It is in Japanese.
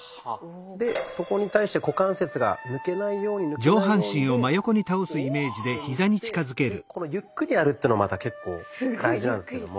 でそこに対して股関節が抜けないように抜けないようにでつけにいってでこのゆっくりやるっていうのはまた結構大事なんですけども。